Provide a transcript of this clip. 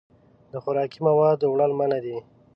د خوراکي موادو وړل منع دي.